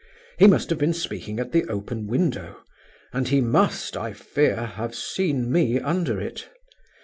He must have been speaking at the open window, and he must, I fear, have seen me under it.